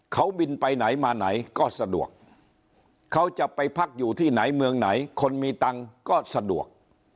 เขาบินไปไหนมาไหนก็สะดวกเขาจะไปพักอยู่ที่ไหนเมืองไหนคนมีตังค์ก็สะดวก